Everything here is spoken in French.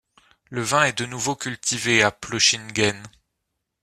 Le vin est de nouveau cultivé à Plochingen.